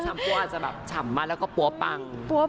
ปั้วอาจจะแบบฉ่ำมากแล้วก็ปั๊วปัง